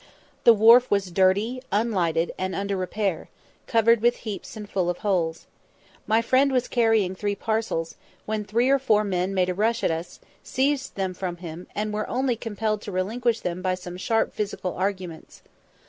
The wharf was dirty, unlighted, and under repair, covered with heaps and full of holes. My friend was carrying three parcels, when three or four men made a rush at us, seized them from him, and were only compelled to relinquish them by some sharp physical arguments.